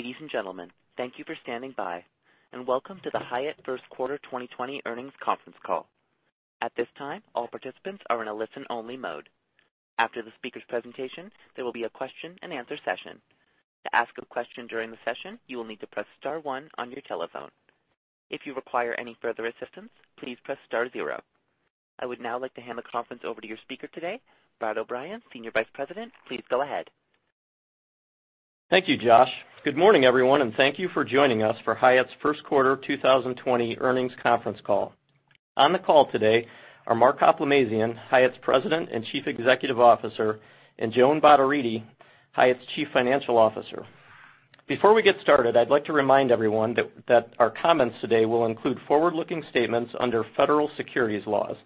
Ladies and gentlemen, thank you for standing by, and welcome to the Hyatt First Quarter 2020 Earnings Conference Call. At this time, all participants are in a listen-only mode. After the speaker's presentation, there will be a question-and-answer session. To ask a question during the session, you will need to press star one on your telephone. If you require any further assistance, please press star zero. I would now like to hand the conference over to your speaker today, Brad O'Bryan, Senior Vice President. Please go ahead. Thank you, Josh. Good morning, everyone, and thank you for joining us for Hyatt's First Quarter 2020 Earnings Conference Call. On the call today are Mark Hoplamazian, Hyatt's President and Chief Executive Officer, and Joan Bottarini, Hyatt's Chief Financial Officer. Before we get started, I'd like to remind everyone that our comments today will include forward-looking statements under federal securities laws.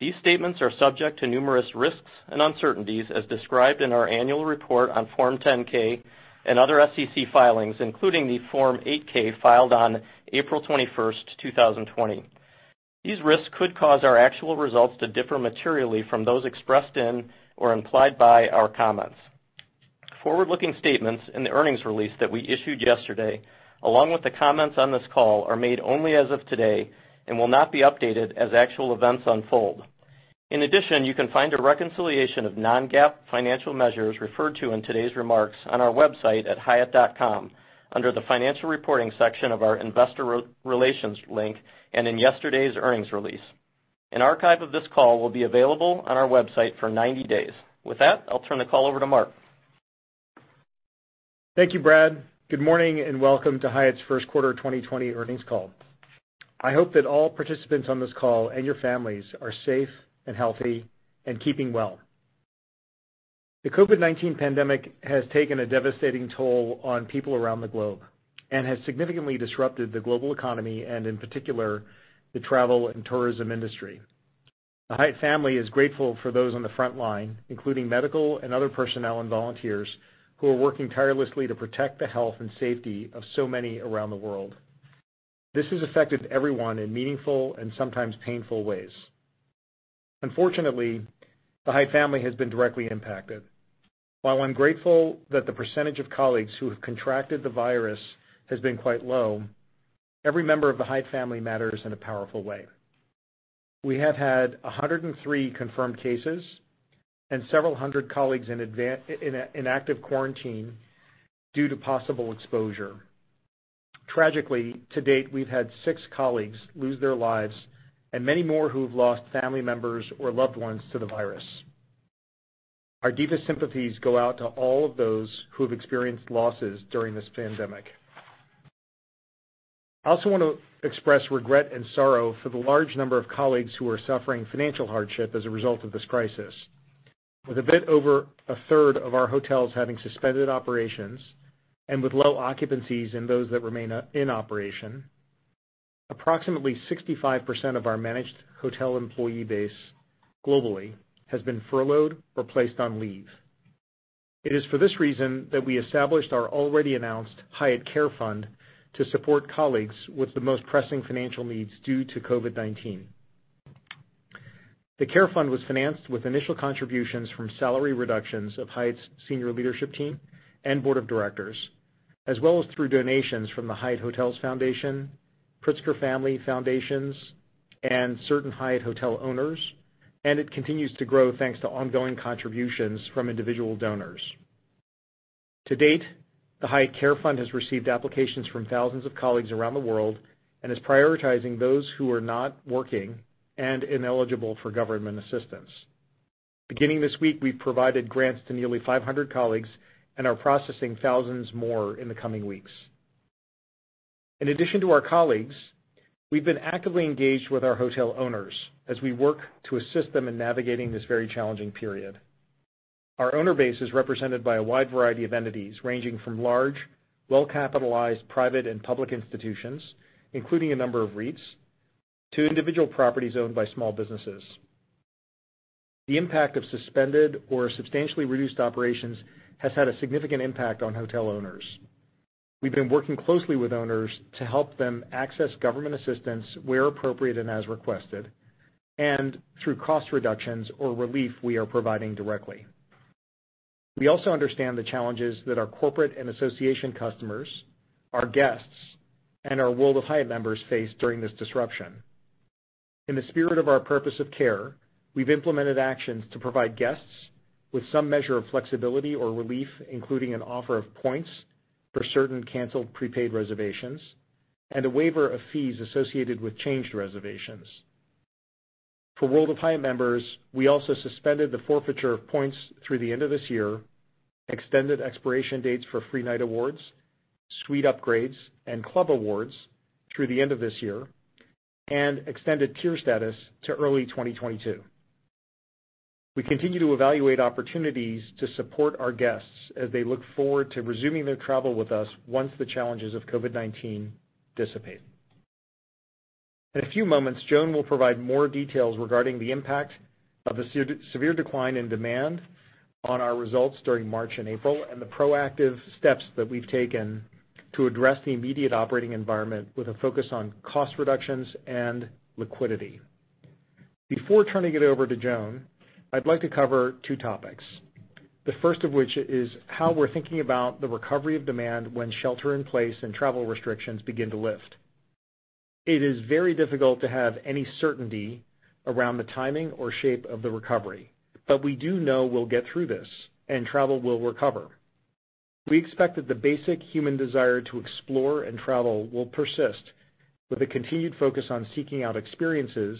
These statements are subject to numerous risks and uncertainties, as described in our annual report on Form 10-K and other SEC filings, including the Form 8-K filed on April 21st, 2020. These risks could cause our actual results to differ materially from those expressed in or implied by our comments. Forward-looking statements in the earnings release that we issued yesterday, along with the comments on this call, are made only as of today and will not be updated as actual events unfold. In addition, you can find a reconciliation of non-GAAP financial measures referred to in today's remarks on our website at hyatt.com under the financial reporting section of our investor relations link and in yesterday's earnings release. An archive of this call will be available on our website for 90 days. With that, I'll turn the call over to Mark. Thank you, Brad. Good morning and welcome to Hyatt's First Quarter 2020 Earnings Call. I hope that all participants on this call and your families are safe and healthy and keeping well. The COVID-19 pandemic has taken a devastating toll on people around the globe and has significantly disrupted the global economy and, in particular, the travel and tourism industry. The Hyatt family is grateful for those on the front line, including medical and other personnel and volunteers who are working tirelessly to protect the health and safety of so many around the world. This has affected everyone in meaningful and sometimes painful ways. Unfortunately, the Hyatt family has been directly impacted. While I'm grateful that the percentage of colleagues who have contracted the virus has been quite low, every member of the Hyatt family matters in a powerful way. We have had 103 confirmed cases and several hundred colleagues in active quarantine due to possible exposure. Tragically, to date, we've had six colleagues lose their lives and many more who have lost family members or loved ones to the virus. Our deepest sympathies go out to all of those who have experienced losses during this pandemic. I also want to express regret and sorrow for the large number of colleagues who are suffering financial hardship as a result of this crisis. With a bit over a third of our hotels having suspended operations and with low occupancies in those that remain in operation, approximately 65% of our managed hotel employee base globally has been furloughed or placed on leave. It is for this reason that we established our already announced Hyatt Care Fund to support colleagues with the most pressing financial needs due to COVID-19. The Care Fund was financed with initial contributions from salary reductions of Hyatt's senior leadership team and board of directors, as well as through donations from the Hyatt Hotels Foundation, Pritzker Family Foundations, and certain Hyatt hotel owners, and it continues to grow thanks to ongoing contributions from individual donors. To date, the Hyatt Care Fund has received applications from thousands of colleagues around the world and is prioritizing those who are not working and ineligible for government assistance. Beginning this week, we've provided grants to nearly 500 colleagues and are processing thousands more in the coming weeks. In addition to our colleagues, we've been actively engaged with our hotel owners as we work to assist them in navigating this very challenging period. Our owner base is represented by a wide variety of entities ranging from large, well-capitalized private and public institutions, including a number of REITs, to individual properties owned by small businesses. The impact of suspended or substantially reduced operations has had a significant impact on hotel owners. We've been working closely with owners to help them access government assistance where appropriate and as requested, and through cost reductions or relief we are providing directly. We also understand the challenges that our corporate and association customers, our guests, and our World of Hyatt members face during this disruption. In the spirit of our purpose of care, we've implemented actions to provide guests with some measure of flexibility or relief, including an offer of points for certain canceled prepaid reservations and a waiver of fees associated with changed reservations. For World of Hyatt members, we also suspended the forfeiture of points through the end of this year, extended expiration dates for free night awards, suite upgrades, and club awards through the end of this year, and extended tier status to early 2022. We continue to evaluate opportunities to support our guests as they look forward to resuming their travel with us once the challenges of COVID-19 dissipate. In a few moments, Joan will provide more details regarding the impact of the severe decline in demand on our results during March and April and the proactive steps that we've taken to address the immediate operating environment with a focus on cost reductions and liquidity. Before turning it over to Joan, I'd like to cover two topics, the first of which is how we're thinking about the recovery of demand when shelter-in-place and travel restrictions begin to lift. It is very difficult to have any certainty around the timing or shape of the recovery, but we do know we'll get through this and travel will recover. We expect that the basic human desire to explore and travel will persist with a continued focus on seeking out experiences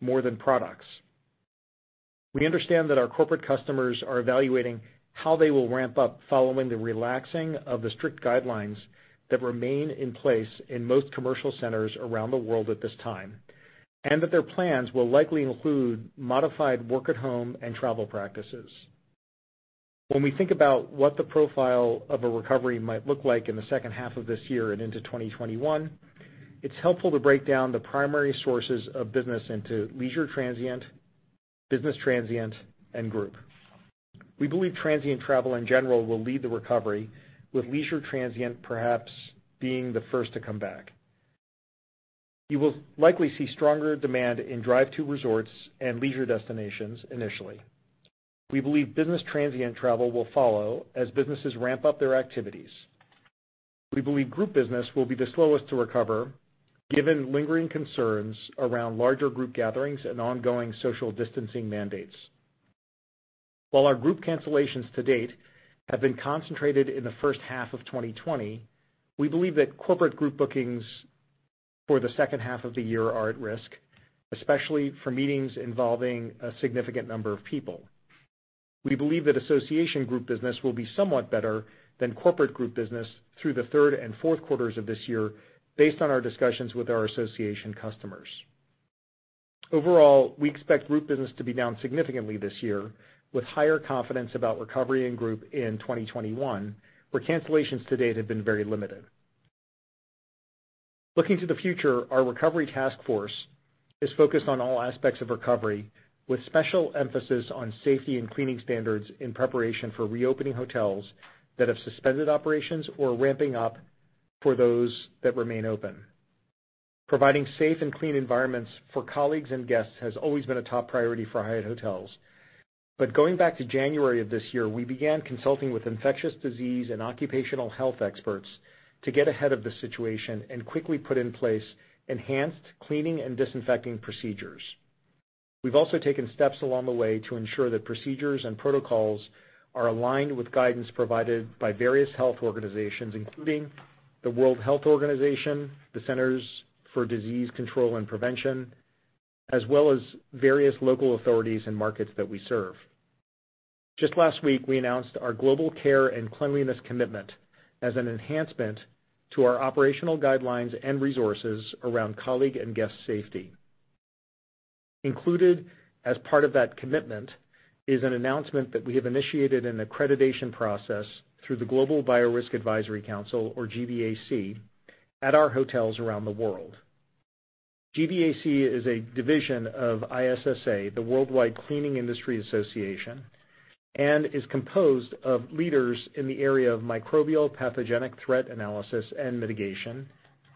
more than products. We understand that our corporate customers are evaluating how they will ramp up following the relaxing of the strict guidelines that remain in place in most commercial centers around the world at this time, and that their plans will likely include modified work-at-home and travel practices. When we think about what the profile of a recovery might look like in the second half of this year and into 2021, it's helpful to break down the primary sources of business into leisure transient, business transient, and group. We believe transient travel in general will lead the recovery, with leisure transient perhaps being the first to come back. You will likely see stronger demand in drive-through resorts and leisure destinations initially. We believe business transient travel will follow as businesses ramp up their activities. We believe group business will be the slowest to recover given lingering concerns around larger group gatherings and ongoing social distancing mandates. While our group cancellations to date have been concentrated in the first half of 2020, we believe that corporate group bookings for the second half of the year are at risk, especially for meetings involving a significant number of people. We believe that association group business will be somewhat better than corporate group business through the third and fourth quarters of this year based on our discussions with our association customers. Overall, we expect group business to be down significantly this year with higher confidence about recovery and group in 2021, where cancellations to date have been very limited. Looking to the future, our recovery task force is focused on all aspects of recovery with special emphasis on safety and cleaning standards in preparation for reopening hotels that have suspended operations or ramping up for those that remain open. Providing safe and clean environments for colleagues and guests has always been a top priority for Hyatt Hotels, but going back to January of this year, we began consulting with infectious disease and occupational health experts to get ahead of the situation and quickly put in place enhanced cleaning and disinfecting procedures. We've also taken steps along the way to ensure that procedures and protocols are aligned with guidance provided by various health organizations, including the World Health Organization, the Centers for Disease Control and Prevention, as well as various local authorities and markets that we serve. Just last week, we announced our Global Care and Cleanliness Commitment as an enhancement to our operational guidelines and resources around colleague and guest safety. Included as part of that commitment is an announcement that we have initiated an accreditation process through the Global Virus Advisory Council, or GVAC, at our hotels around the world. GVAC is a division of ISSA, the Worldwide Cleaning Industry Association, and is composed of leaders in the area of microbial pathogenic threat analysis and mitigation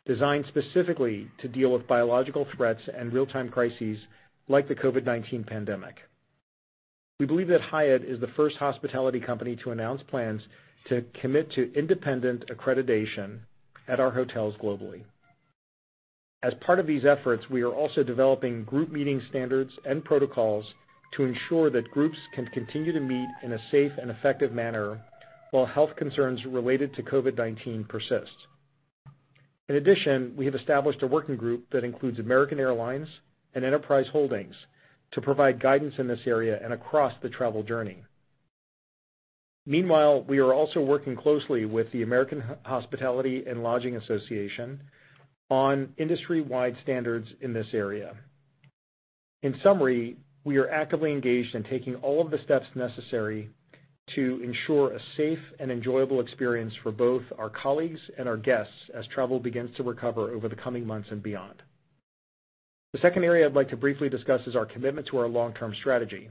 designed specifically to deal with biological threats and real-time crises like the COVID-19 pandemic. We believe that Hyatt is the first hospitality company to announce plans to commit to independent accreditation at our hotels globally. As part of these efforts, we are also developing group meeting standards and protocols to ensure that groups can continue to meet in a safe and effective manner while health concerns related to COVID-19 persist. In addition, we have established a working group that includes American Airlines and Enterprise Holdings to provide guidance in this area and across the travel journey. Meanwhile, we are also working closely with the American Hotel & Lodging Association on industry-wide standards in this area. In summary, we are actively engaged in taking all of the steps necessary to ensure a safe and enjoyable experience for both our colleagues and our guests as travel begins to recover over the coming months and beyond. The second area I'd like to briefly discuss is our commitment to our long-term strategy.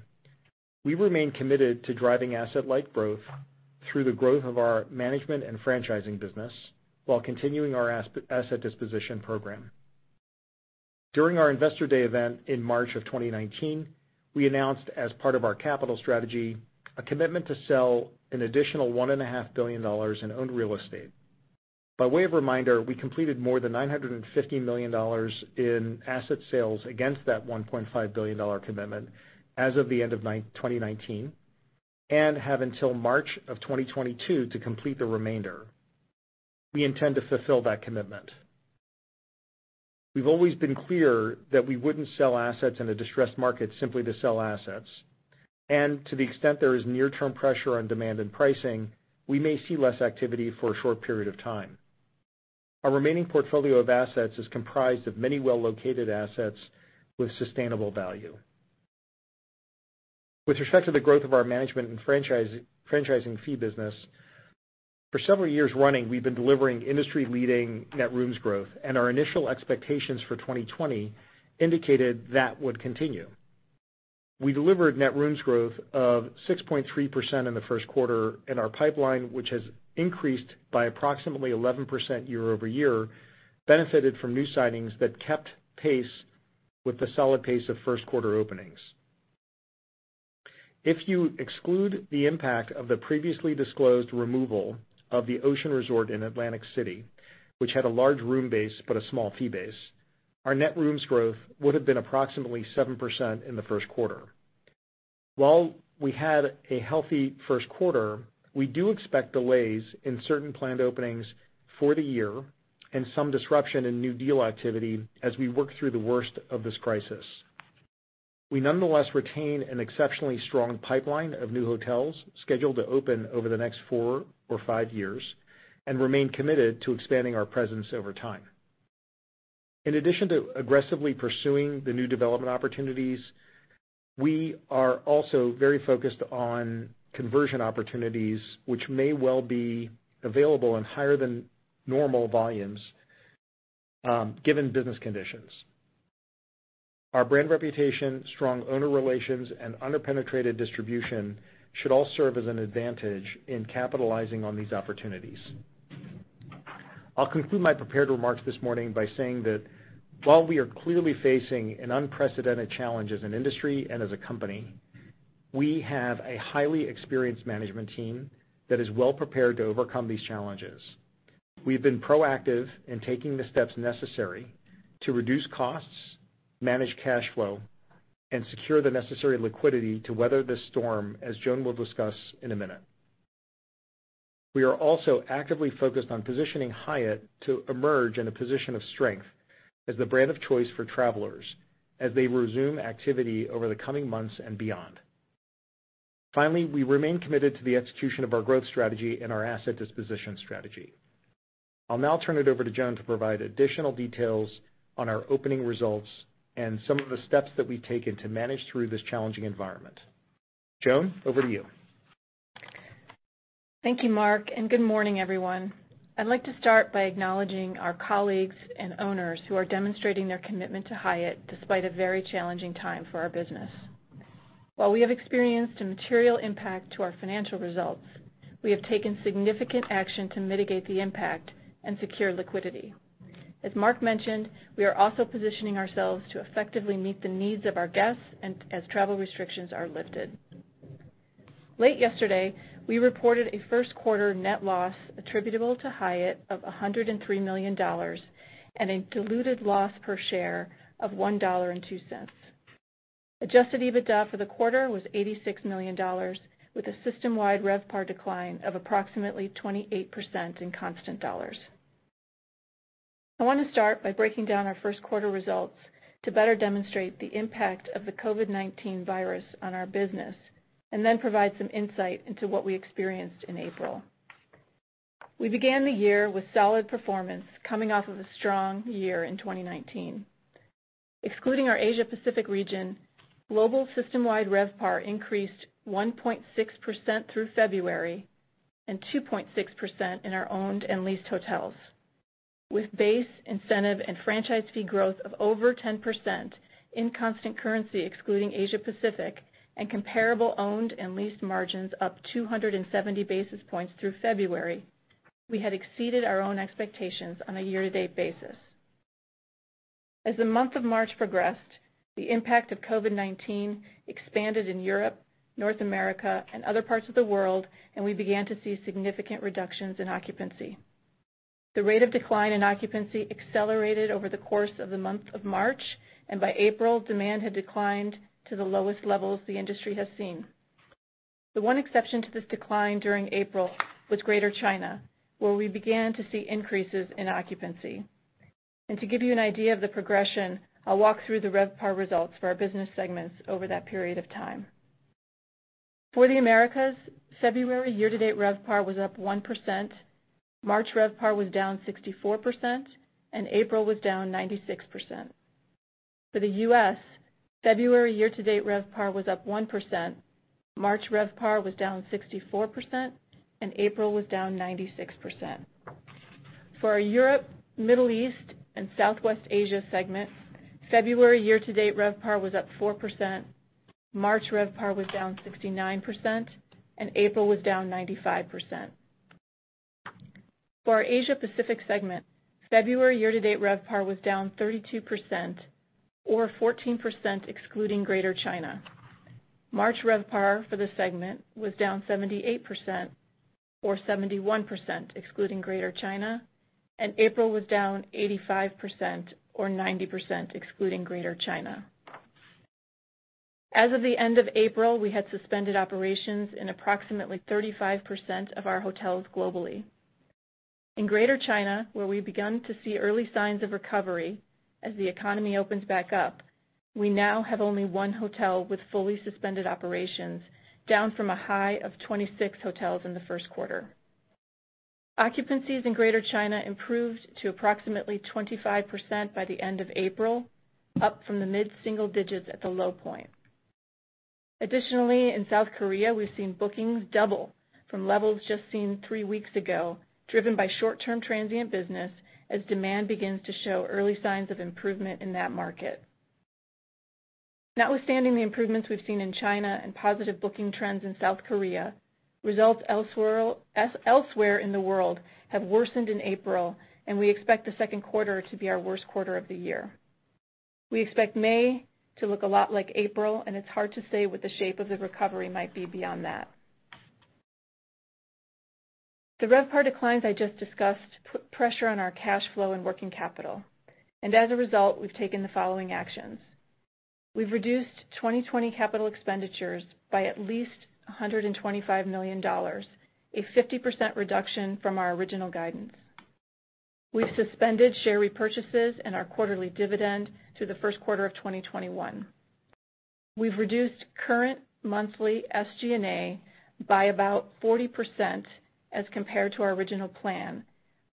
We remain committed to driving asset-light growth through the growth of our management and franchising business while continuing our asset disposition program. During our Investor Day event in March of 2019, we announced as part of our capital strategy a commitment to sell an additional $1.5 billion in owned real estate. By way of reminder, we completed more than $950 million in asset sales against that $1.5 billion commitment as of the end of 2019 and have until March of 2022 to complete the remainder. We intend to fulfill that commitment. We've always been clear that we wouldn't sell assets in a distressed market simply to sell assets, and to the extent there is near-term pressure on demand and pricing, we may see less activity for a short period of time. Our remaining portfolio of assets is comprised of many well-located assets with sustainable value. With respect to the growth of our management and franchising fee business, for several years running, we've been delivering industry-leading net rooms growth, and our initial expectations for 2020 indicated that would continue. We delivered net rooms growth of 6.3% in the first quarter in our pipeline, which has increased by approximately 11% year over year, benefited from new signings that kept pace with the solid pace of first-quarter openings. If you exclude the impact of the previously disclosed removal of the Ocean Resort in Atlantic City, which had a large room base but a small fee base, our net rooms growth would have been approximately 7% in the first quarter. While we had a healthy first quarter, we do expect delays in certain planned openings for the year and some disruption in new deal activity as we work through the worst of this crisis. We nonetheless retain an exceptionally strong pipeline of new hotels scheduled to open over the next four or five years and remain committed to expanding our presence over time. In addition to aggressively pursuing the new development opportunities, we are also very focused on conversion opportunities, which may well be available in higher than normal volumes given business conditions. Our brand reputation, strong owner relations, and under-penetrated distribution should all serve as an advantage in capitalizing on these opportunities. I'll conclude my prepared remarks this morning by saying that while we are clearly facing an unprecedented challenge as an industry and as a company, we have a highly experienced management team that is well-prepared to overcome these challenges. We've been proactive in taking the steps necessary to reduce costs, manage cash flow, and secure the necessary liquidity to weather this storm, as Joan will discuss in a minute. We are also actively focused on positioning Hyatt to emerge in a position of strength as the brand of choice for travelers as they resume activity over the coming months and beyond. Finally, we remain committed to the execution of our growth strategy and our asset disposition strategy. I'll now turn it over to Joan to provide additional details on our opening results and some of the steps that we've taken to manage through this challenging environment. Joan, over to you. Thank you, Mark, and good morning, everyone. I'd like to start by acknowledging our colleagues and owners who are demonstrating their commitment to Hyatt despite a very challenging time for our business. While we have experienced a material impact to our financial results, we have taken significant action to mitigate the impact and secure liquidity. As Mark mentioned, we are also positioning ourselves to effectively meet the needs of our guests as travel restrictions are lifted. Late yesterday, we reported a first-quarter net loss attributable to Hyatt of $103 million and a diluted loss per share of $1.02. Adjusted EBITDA for the quarter was $86 million, with a system-wide RevPAR decline of approximately 28% in constant dollars. I want to start by breaking down our first-quarter results to better demonstrate the impact of the COVID-19 virus on our business and then provide some insight into what we experienced in April. We began the year with solid performance coming off of a strong year in 2019. Excluding our Asia Pacific region, global system-wide RevPAR increased 1.6% through February and 2.6% in our owned and leased hotels, with base, incentive, and franchise fee growth of over 10% in constant currency excluding Asia Pacific and comparable owned and leased margins up 270 basis points through February. We had exceeded our own expectations on a year-to-date basis. As the month of March progressed, the impact of COVID-19 expanded in Europe, North America, and other parts of the world, and we began to see significant reductions in occupancy. The rate of decline in occupancy accelerated over the course of the month of March, and by April, demand had declined to the lowest levels the industry has seen. The one exception to this decline during April was Greater China, where we began to see increases in occupancy. To give you an idea of the progression, I'll walk through the RevPAR results for our business segments over that period of time. For the Americas, February year-to-date RevPAR was up 1%, March RevPAR was down 64%, and April was down 96%. For the U.S., February year-to-date RevPAR was up 1%, March RevPAR was down 64%, and April was down 96%. For our Europe, Middle East, and Southwest Asia segments, February year-to-date RevPAR was up 4%, March RevPAR was down 69%, and April was down 95%. For our Asia Pacific segment, February year-to-date RevPAR was down 32% or 14% excluding Greater China. March RevPAR for the segment was down 78% or 71% excluding Greater China, and April was down 85% or 90% excluding Greater China. As of the end of April, we had suspended operations in approximately 35% of our hotels globally. In Greater China, where we began to see early signs of recovery as the economy opens back up, we now have only one hotel with fully suspended operations, down from a high of 26 hotels in the first quarter. Occupancies in Greater China improved to approximately 25% by the end of April, up from the mid-single digits at the low point. Additionally, in South Korea, we've seen bookings double from levels just seen three weeks ago, driven by short-term transient business as demand begins to show early signs of improvement in that market. Notwithstanding the improvements we've seen in China and positive booking trends in South Korea, results elsewhere in the world have worsened in April, and we expect the second quarter to be our worst quarter of the year. We expect May to look a lot like April, and it's hard to say what the shape of the recovery might be beyond that. The RevPAR declines I just discussed put pressure on our cash flow and working capital, and as a result, we've taken the following actions. We've reduced 2020 capital expenditures by at least $125 million, a 50% reduction from our original guidance. We've suspended share repurchases and our quarterly dividend through the first quarter of 2021. We've reduced current monthly SG&A by about 40% as compared to our original plan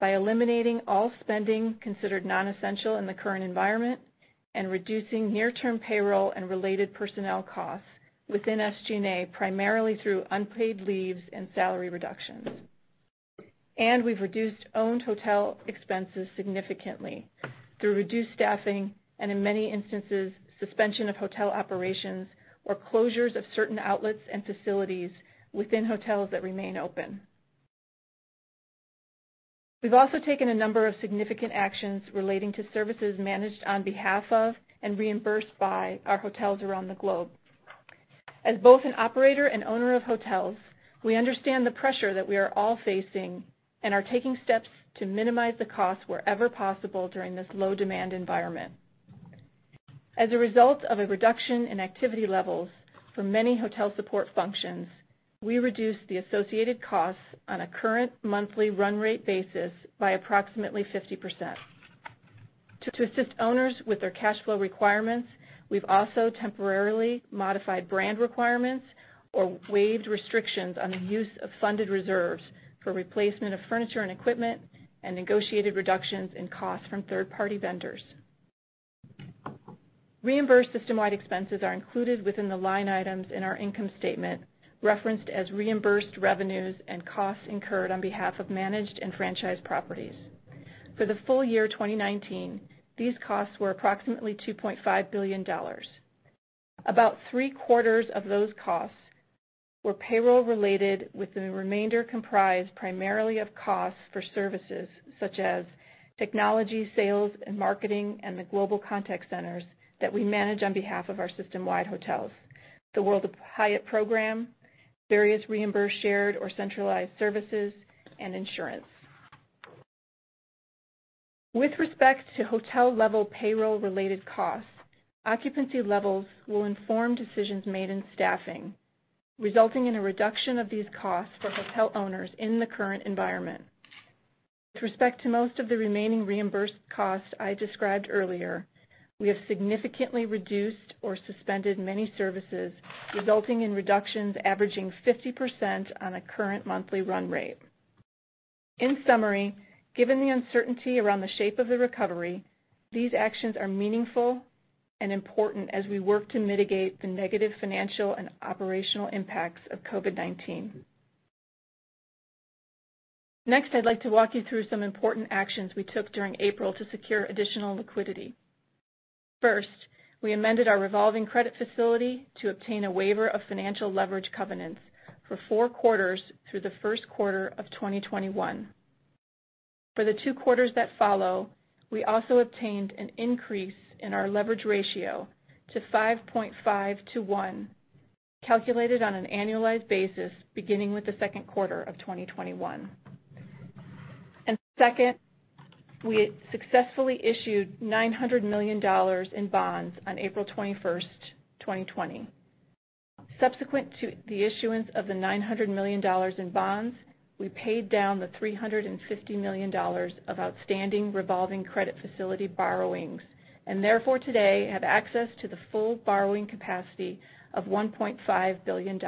by eliminating all spending considered non-essential in the current environment and reducing near-term payroll and related personnel costs within SG&A primarily through unpaid leaves and salary reductions. We've reduced owned hotel expenses significantly through reduced staffing and, in many instances, suspension of hotel operations or closures of certain outlets and facilities within hotels that remain open. We've also taken a number of significant actions relating to services managed on behalf of and reimbursed by our hotels around the globe. As both an operator and owner of hotels, we understand the pressure that we are all facing and are taking steps to minimize the costs wherever possible during this low-demand environment. As a result of a reduction in activity levels for many hotel support functions, we reduced the associated costs on a current monthly run rate basis by approximately 50%. To assist owners with their cash flow requirements, we've also temporarily modified brand requirements or waived restrictions on the use of funded reserves for replacement of furniture and equipment and negotiated reductions in costs from third-party vendors. Reimbursed system-wide expenses are included within the line items in our income statement referenced as reimbursed revenues and costs incurred on behalf of managed and franchised properties. For the full year 2019, these costs were approximately $2.5 billion. About three-quarters of those costs were payroll-related, with the remainder comprised primarily of costs for services such as technology, sales, and marketing and the global contact centers that we manage on behalf of our system-wide hotels, the World of Hyatt program, various reimbursed shared or centralized services, and insurance. With respect to hotel-level payroll-related costs, occupancy levels will inform decisions made in staffing, resulting in a reduction of these costs for hotel owners in the current environment. With respect to most of the remaining reimbursed costs I described earlier, we have significantly reduced or suspended many services, resulting in reductions averaging 50% on a current monthly run rate. In summary, given the uncertainty around the shape of the recovery, these actions are meaningful and important as we work to mitigate the negative financial and operational impacts of COVID-19. Next, I'd like to walk you through some important actions we took during April to secure additional liquidity. First, we amended our revolving credit facility to obtain a waiver of financial leverage covenants for four quarters through the first quarter of 2021. For the two quarters that follow, we also obtained an increase in our leverage ratio to 5.5 to 1, calculated on an annualized basis beginning with the second quarter of 2021. Second, we successfully issued $900 million in bonds on April 21st, 2020. Subsequent to the issuance of the $900 million in bonds, we paid down the $350 million of outstanding revolving credit facility borrowings and therefore today have access to the full borrowing capacity of $1.5 billion.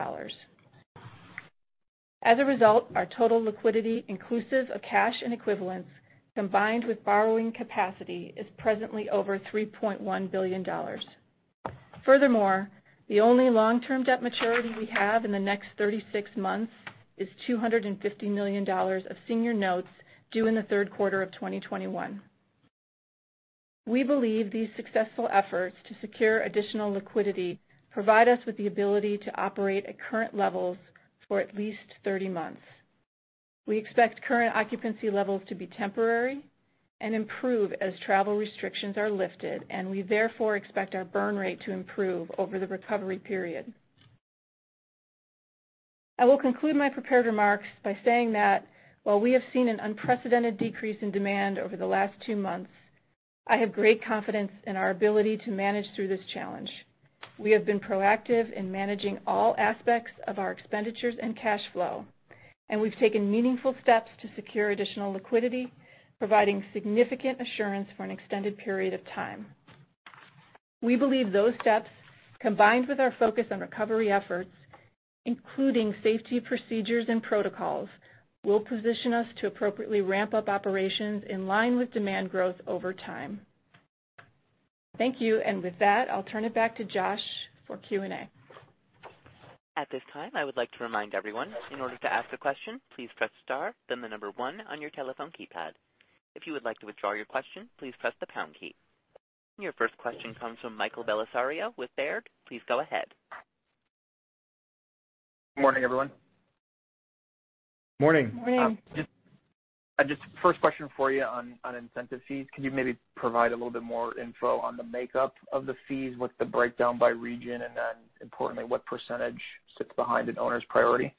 As a result, our total liquidity, inclusive of cash and equivalents, combined with borrowing capacity, is presently over $3.1 billion. Furthermore, the only long-term debt maturity we have in the next 36 months is $250 million of senior notes due in the third quarter of 2021. We believe these successful efforts to secure additional liquidity provide us with the ability to operate at current levels for at least 30 months. We expect current occupancy levels to be temporary and improve as travel restrictions are lifted, and we therefore expect our burn rate to improve over the recovery period. I will conclude my prepared remarks by saying that while we have seen an unprecedented decrease in demand over the last two months, I have great confidence in our ability to manage through this challenge. We have been proactive in managing all aspects of our expenditures and cash flow, and we've taken meaningful steps to secure additional liquidity, providing significant assurance for an extended period of time. We believe those steps, combined with our focus on recovery efforts, including safety procedures and protocols, will position us to appropriately ramp up operations in line with demand growth over time. Thank you, and with that, I'll turn it back to Josh for Q&A. At this time, I would like to remind everyone, in order to ask a question, please press star, then the number one on your telephone keypad. If you would like to withdraw your question, please press the pound key. Your first question comes from Michael Bellisario with Baird. Please go ahead. Good morning, everyone. Morning. Morning. I just—first question for you on incentive fees. Could you maybe provide a little bit more info on the makeup of the fees, with the breakdown by region, and then, importantly, what percentage sits behind an owner's priority?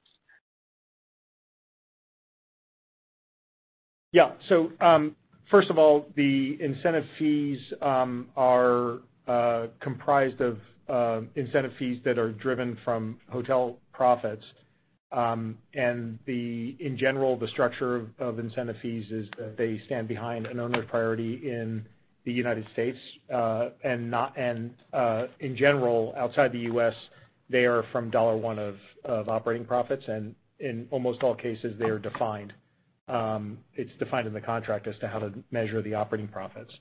Yeah. First of all, the incentive fees are comprised of incentive fees that are driven from hotel profits. In general, the structure of incentive fees is that they stand behind an owner's priority in the U.S. In general, outside the U.S., they are from dollar one of operating profits, and in almost all cases, they are defined. It is defined in the contract as to how to measure the operating profits.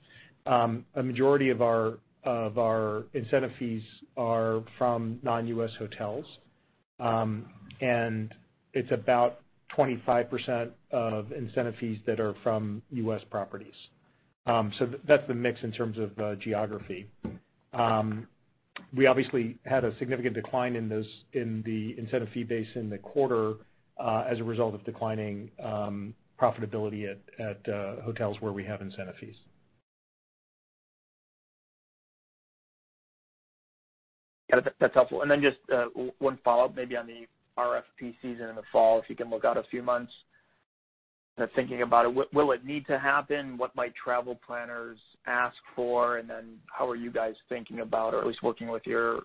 A majority of our incentive fees are from non-U.S. hotels, and it is about 25% of incentive fees that are from U.S. properties. That is the mix in terms of geography. We obviously had a significant decline in the incentive fee base in the quarter as a result of declining profitability at hotels where we have incentive fees. Got it. That's helpful. Just one follow-up, maybe on the RFP season in the fall, if you can look out a few months and thinking about it. Will it need to happen? What might travel planners ask for? How are you guys thinking about, or at least working with your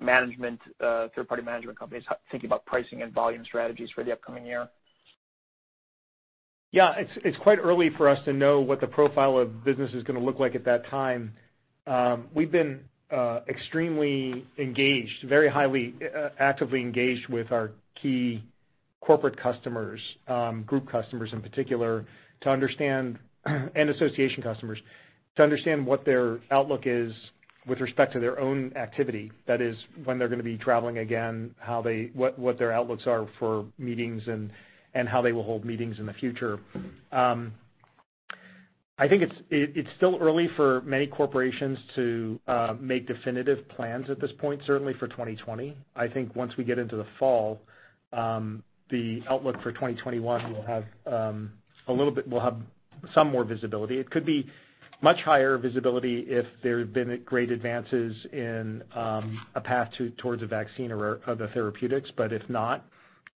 management, third-party management companies, thinking about pricing and volume strategies for the upcoming year? Yeah. It's quite early for us to know what the profile of business is going to look like at that time. We've been extremely engaged, very highly actively engaged with our key corporate customers, group customers in particular, and association customers, to understand what their outlook is with respect to their own activity. That is, when they're going to be traveling again, what their outlooks are for meetings, and how they will hold meetings in the future. I think it's still early for many corporations to make definitive plans at this point, certainly for 2020. I think once we get into the fall, the outlook for 2021 will have a little bit—we'll have some more visibility. It could be much higher visibility if there have been great advances in a path towards a vaccine or other therapeutics. If not,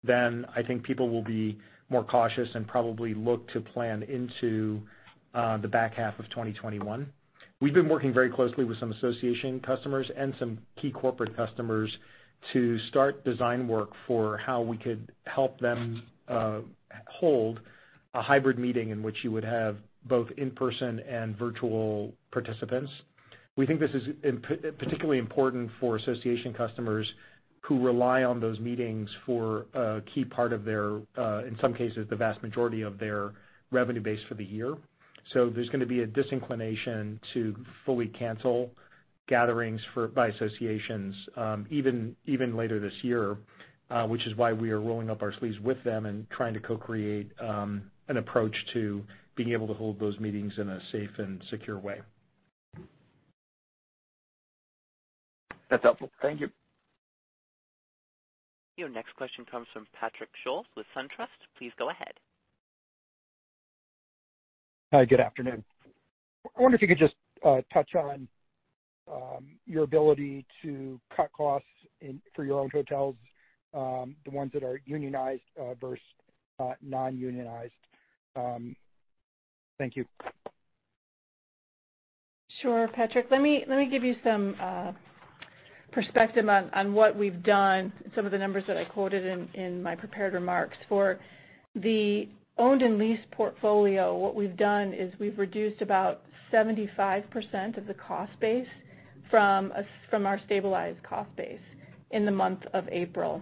then I think people will be more cautious and probably look to plan into the back half of 2021. We've been working very closely with some association customers and some key corporate customers to start design work for how we could help them hold a hybrid meeting in which you would have both in-person and virtual participants. We think this is particularly important for association customers who rely on those meetings for a key part of their, in some cases, the vast majority of their revenue base for the year. There is going to be a disinclination to fully cancel gatherings by associations even later this year, which is why we are rolling up our sleeves with them and trying to co-create an approach to being able to hold those meetings in a safe and secure way. That's helpful. Thank you. Your next question comes from Patrick Scholes with SunTrust. Please go ahead. Good afternoon. I wonder if you could just touch on your ability to cut costs for your own hotels, the ones that are unionized versus non-unionized? Thank you. Sure, Patrick. Let me give you some perspective on what we've done and some of the numbers that I quoted in my prepared remarks. For the owned and leased portfolio, what we've done is we've reduced about 75% of the cost base from our stabilized cost base in the month of April.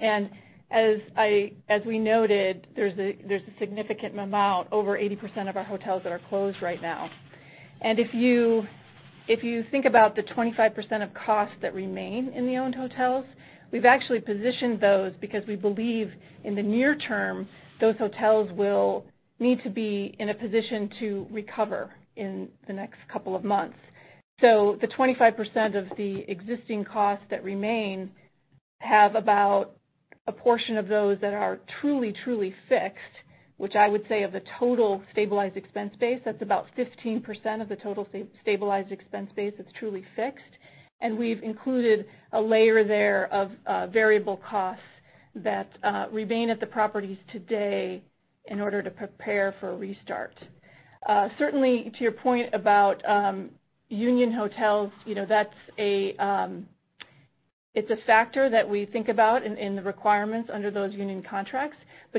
As we noted, there's a significant amount, over 80% of our hotels that are closed right now. If you think about the 25% of costs that remain in the owned hotels, we've actually positioned those because we believe in the near term those hotels will need to be in a position to recover in the next couple of months. The 25% of the existing costs that remain have about a portion of those that are truly, truly fixed, which I would say of the total stabilized expense base, that's about 15% of the total stabilized expense base that's truly fixed. We've included a layer there of variable costs that remain at the properties today in order to prepare for a restart. Certainly, to your point about union hotels, that's a factor that we think about in the requirements under those union contracts.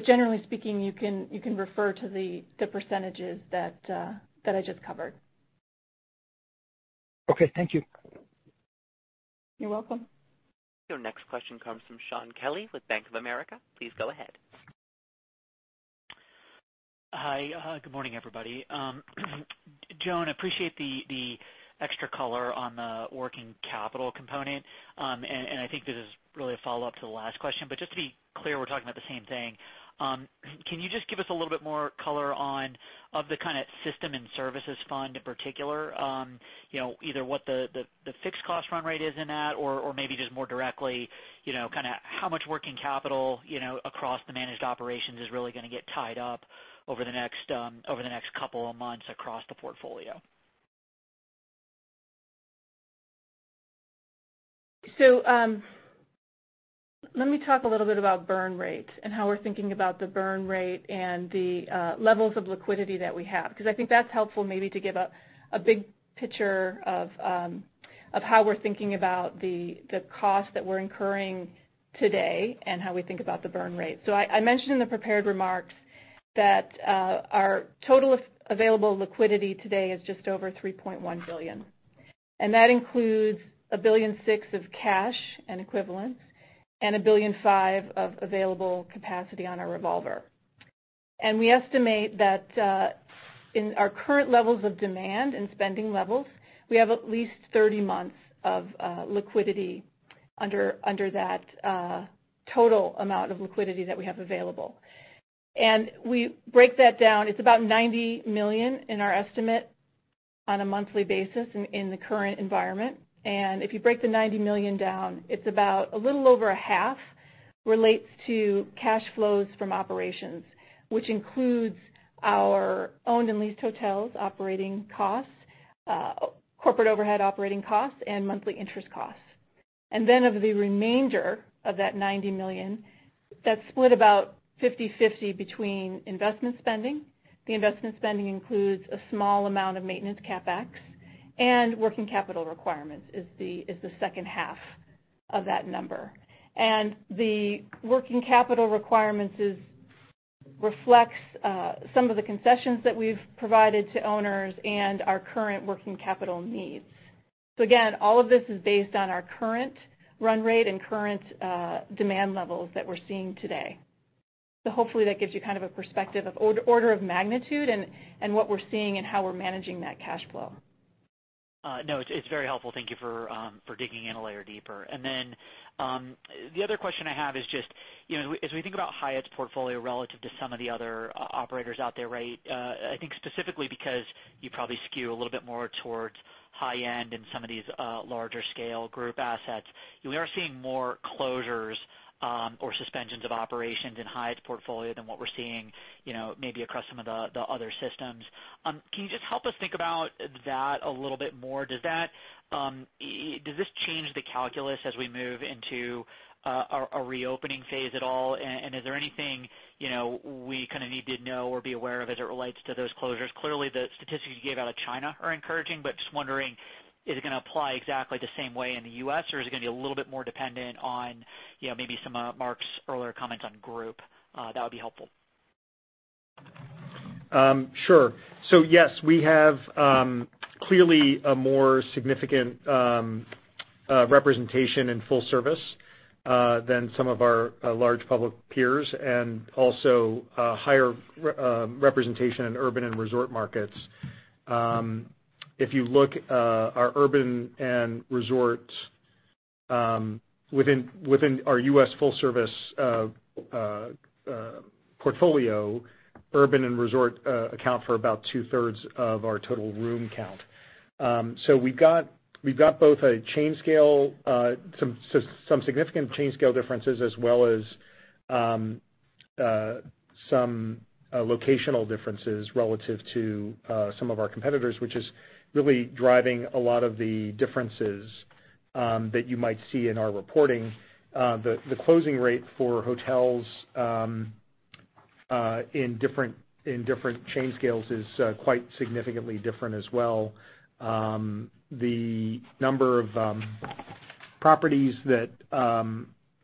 Generally speaking, you can refer to the percentages that I just covered. Okay. Thank you. You're welcome. Your next question comes from Shaun Kelley with Bank of America. Please go ahead. Hi. Good morning, everybody. Joan, I appreciate the extra color on the working capital component. I think this is really a follow-up to the last question. Just to be clear, we're talking about the same thing. Can you just give us a little bit more color on the kind of system and services fund in particular, either what the fixed cost run rate is in that or maybe just more directly kind of how much working capital across the managed operations is really going to get tied up over the next couple of months across the portfolio? Let me talk a little bit about burn rate and how we're thinking about the burn rate and the levels of liquidity that we have. I think that's helpful maybe to give a big picture of how we're thinking about the cost that we're incurring today and how we think about the burn rate. I mentioned in the prepared remarks that our total available liquidity today is just over $3.1 billion. That includes $1.6 billion of cash and equivalents and $1.5 billion of available capacity on our revolver. We estimate that in our current levels of demand and spending levels, we have at least 30 months of liquidity under that total amount of liquidity that we have available. We break that down. It's about $90 million in our estimate on a monthly basis in the current environment. If you break the $90 million down, it's about a little over half relates to cash flows from operations, which includes our owned and leased hotels operating costs, corporate overhead operating costs, and monthly interest costs. Of the remainder of that $90 million, that's split about 50/50 between investment spending. The investment spending includes a small amount of maintenance CapEx and working capital requirements is the second half of that number. The working capital requirements reflect some of the concessions that we've provided to owners and our current working capital needs. All of this is based on our current run rate and current demand levels that we're seeing today. Hopefully that gives you kind of a perspective of order of magnitude and what we're seeing and how we're managing that cash flow. No, it's very helpful. Thank you for digging in a layer deeper. Then the other question I have is just, as we think about Hyatt's portfolio relative to some of the other operators out there, right, I think specifically because you probably skew a little bit more towards high-end and some of these larger scale group assets, we are seeing more closures or suspensions of operations in Hyatt's portfolio than what we're seeing maybe across some of the other systems. Can you just help us think about that a little bit more? Does this change the calculus as we move into a reopening phase at all? Is there anything we kind of need to know or be aware of as it relates to those closures? Clearly, the statistics you gave out of China are encouraging, but just wondering, is it going to apply exactly the same way in the U.S., or is it going to be a little bit more dependent on maybe some of Mark's earlier comments on group? That would be helpful. Sure. Yes, we have clearly a more significant representation in full service than some of our large public peers and also higher representation in urban and resort markets. If you look, our urban and resort within our U.S. full service portfolio, urban and resort account for about two-thirds of our total room count. We have both some significant chain scale differences as well as some locational differences relative to some of our competitors, which is really driving a lot of the differences that you might see in our reporting. The closing rate for hotels in different chain scales is quite significantly different as well. The number of properties that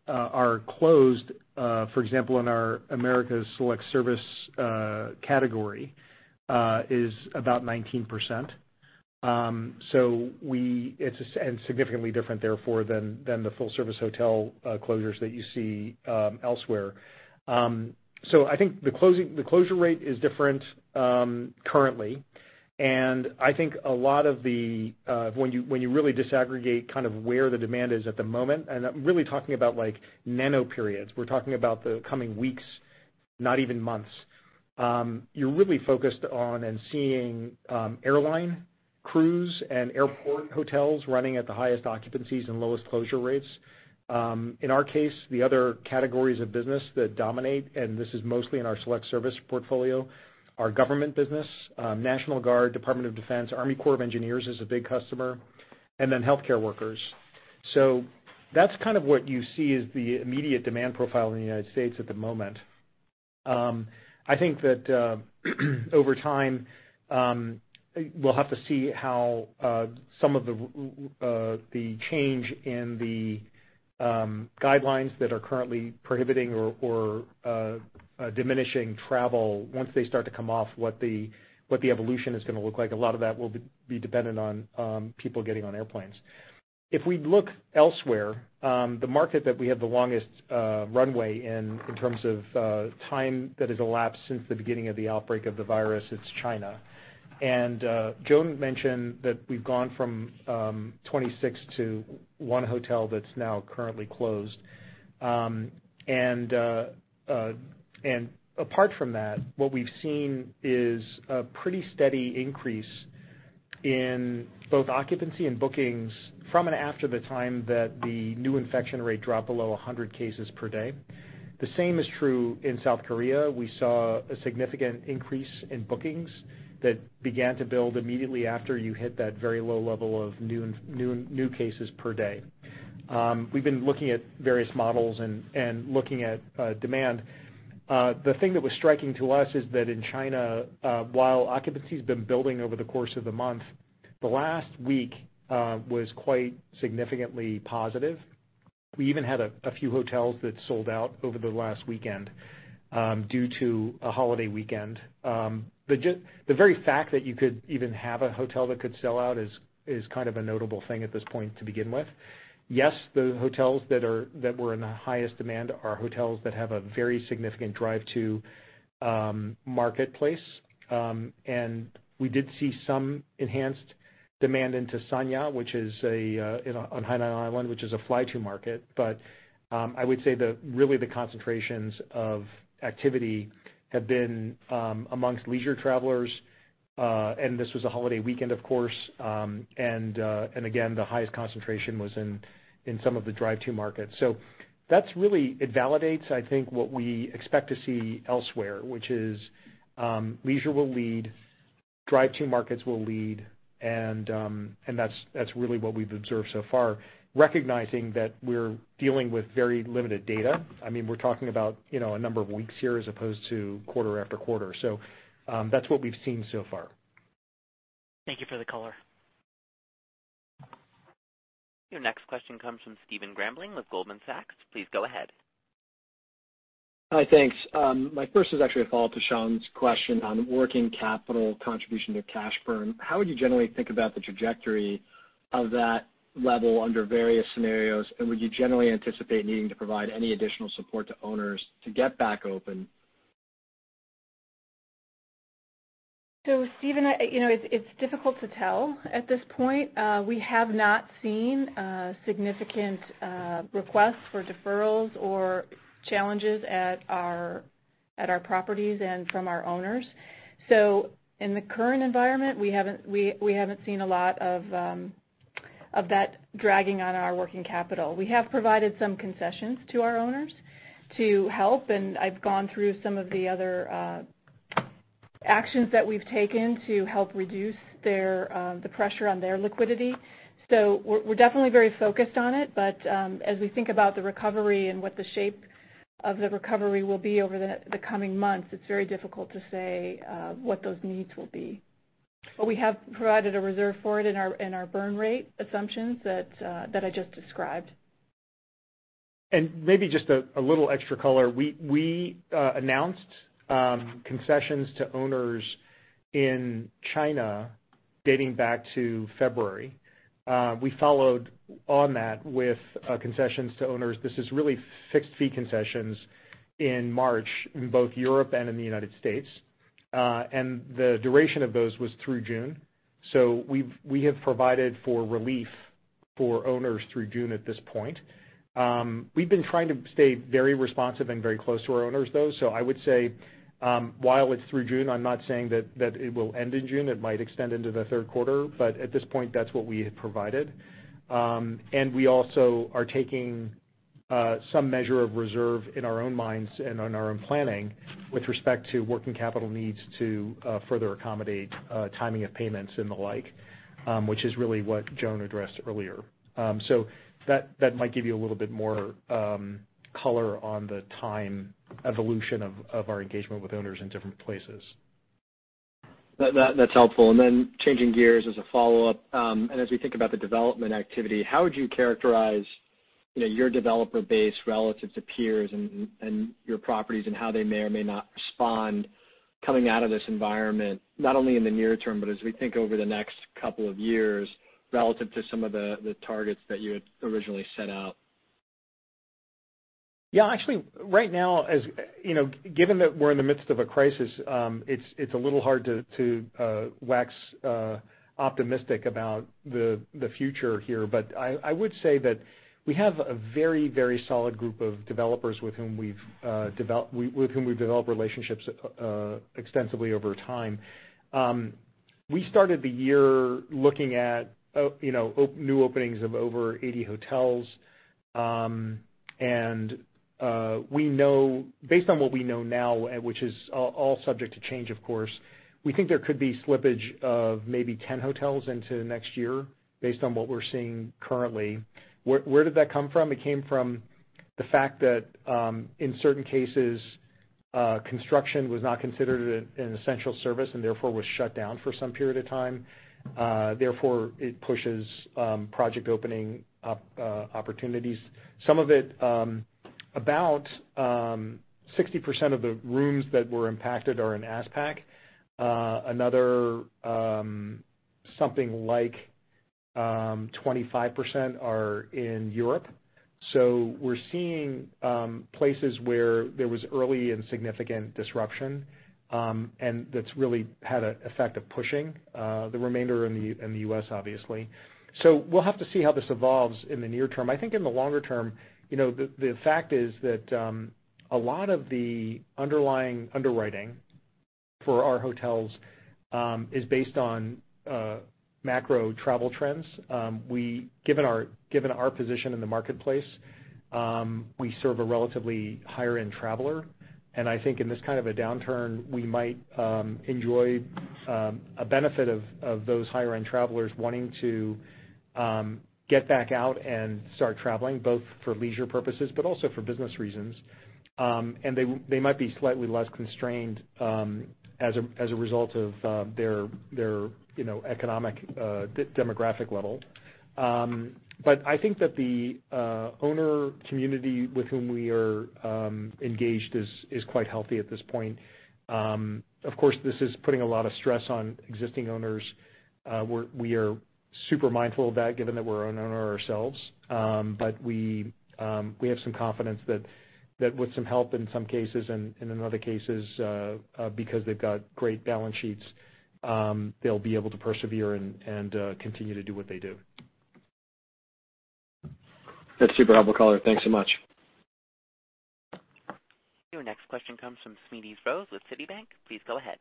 are closed, for example, in our Americas Select Service category, is about 19%. It is significantly different, therefore, than the full service hotel closures that you see elsewhere. I think the closing rate is different currently. I think a lot of the, when you really disaggregate kind of where the demand is at the moment, and I'm really talking about nano periods, we're talking about the coming weeks, not even months. You're really focused on and seeing airline, cruise, and airport hotels running at the highest occupancies and lowest closure rates. In our case, the other categories of business that dominate, and this is mostly in our Select Service portfolio, are government business, National Guard, Department of Defense, Army Corps of Engineers is a big customer, and then healthcare workers. That's kind of what you see is the immediate demand profile in the United States at the moment. I think that over time, we'll have to see how some of the change in the guidelines that are currently prohibiting or diminishing travel, once they start to come off, what the evolution is going to look like. A lot of that will be dependent on people getting on airplanes. If we look elsewhere, the market that we have the longest runway in terms of time that has elapsed since the beginning of the outbreak of the virus, it's China. Joan mentioned that we've gone from 26 to one hotel that's now currently closed. Apart from that, what we've seen is a pretty steady increase in both occupancy and bookings from and after the time that the new infection rate dropped below 100 cases per day. The same is true in South Korea. We saw a significant increase in bookings that began to build immediately after you hit that very low level of new cases per day. We've been looking at various models and looking at demand. The thing that was striking to us is that in China, while occupancy has been building over the course of the month, the last week was quite significantly positive. We even had a few hotels that sold out over the last weekend due to a holiday weekend. The very fact that you could even have a hotel that could sell out is kind of a notable thing at this point to begin with. Yes, the hotels that were in the highest demand are hotels that have a very significant drive-to marketplace. We did see some enhanced demand into Sanya, which is on Hainan Island, which is a fly-to market. I would say that really the concentrations of activity have been amongst leisure travelers. This was a holiday weekend, of course. Again, the highest concentration was in some of the drive-to markets. That really validates, I think, what we expect to see elsewhere, which is leisure will lead, drive-to markets will lead. That is really what we have observed so far, recognizing that we are dealing with very limited data. I mean, we are talking about a number of weeks here as opposed to quarter after quarter. That is what we have seen so far. Thank you for the color. Your next question comes from Stephen Grambling with Goldman Sachs. Please go ahead. Hi, thanks. My first is actually a follow-up to Sean's question on working capital contribution to cash burn. How would you generally think about the trajectory of that level under various scenarios? Would you generally anticipate needing to provide any additional support to owners to get back open? Stephen, it's difficult to tell at this point. We have not seen significant requests for deferrals or challenges at our properties and from our owners. In the current environment, we haven't seen a lot of that dragging on our working capital. We have provided some concessions to our owners to help. I've gone through some of the other actions that we've taken to help reduce the pressure on their liquidity. We're definitely very focused on it. As we think about the recovery and what the shape of the recovery will be over the coming months, it's very difficult to say what those needs will be. We have provided a reserve for it in our burn rate assumptions that I just described. Maybe just a little extra color. We announced concessions to owners in China dating back to February. We followed on that with concessions to owners. This is really fixed fee concessions in March in both Europe and in the United States. The duration of those was through June. We have provided for relief for owners through June at this point. We have been trying to stay very responsive and very close to our owners, though. I would say while it is through June, I am not saying that it will end in June. It might extend into the third quarter. At this point, that is what we have provided. We also are taking some measure of reserve in our own minds and in our own planning with respect to working capital needs to further accommodate timing of payments and the like, which is really what Joan addressed earlier. That might give you a little bit more color on the time evolution of our engagement with owners in different places. That's helpful. Changing gears as a follow-up, as we think about the development activity, how would you characterize your developer base relative to peers and your properties and how they may or may not respond coming out of this environment, not only in the near term, but as we think over the next couple of years relative to some of the targets that you had originally set out? Yeah, actually, right now, given that we're in the midst of a crisis, it's a little hard to wax optimistic about the future here. But I would say that we have a very, very solid group of developers with whom we've developed relationships extensively over time. We started the year looking at new openings of over 80 hotels. And based on what we know now, which is all subject to change, of course, we think there could be slippage of maybe 10 hotels into next year based on what we're seeing currently. Where did that come from? It came from the fact that in certain cases, construction was not considered an essential service and therefore was shut down for some period of time. Therefore, it pushes project opening opportunities. Some of it, about 60% of the rooms that were impacted are in ASPAC. Another something like 25% are in Europe. We're seeing places where there was early and significant disruption, and that's really had an effect of pushing the remainder in the U.S., obviously. We'll have to see how this evolves in the near term. I think in the longer term, the fact is that a lot of the underlying underwriting for our hotels is based on macro travel trends. Given our position in the marketplace, we serve a relatively higher-end traveler. I think in this kind of a downturn, we might enjoy a benefit of those higher-end travelers wanting to get back out and start traveling, both for leisure purposes, but also for business reasons. They might be slightly less constrained as a result of their economic demographic level. I think that the owner community with whom we are engaged is quite healthy at this point. Of course, this is putting a lot of stress on existing owners. We are super mindful of that, given that we're an owner ourselves. We have some confidence that with some help in some cases and in other cases, because they've got great balance sheets, they'll be able to persevere and continue to do what they do. That's super helpful, Color. Thanks so much. Your next question comes from Smedes Rose with Citibank. Please go ahead.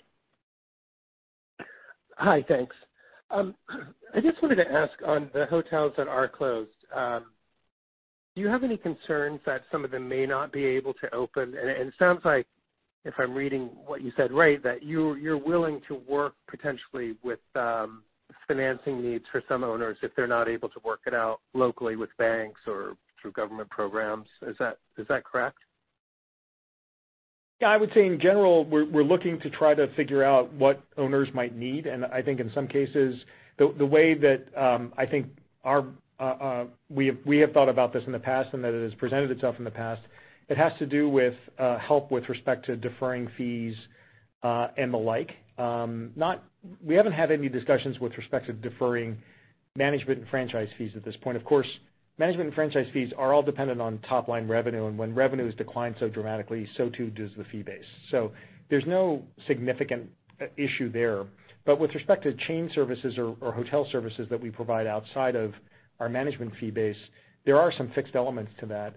Hi, thanks. I just wanted to ask on the hotels that are closed, do you have any concerns that some of them may not be able to open? It sounds like, if I'm reading what you said right, that you're willing to work potentially with financing needs for some owners if they're not able to work it out locally with banks or through government programs. Is that correct? Yeah, I would say in general, we're looking to try to figure out what owners might need. I think in some cases, the way that I think we have thought about this in the past and that it has presented itself in the past, it has to do with help with respect to deferring fees and the like. We haven't had any discussions with respect to deferring management and franchise fees at this point. Of course, management and franchise fees are all dependent on top-line revenue. When revenue has declined so dramatically, so too does the fee base. There's no significant issue there. With respect to chain services or hotel services that we provide outside of our management fee base, there are some fixed elements to that.